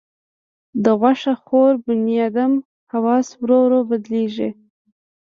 د غوښه خور بنیادم حواس ورو ورو بدلېږي.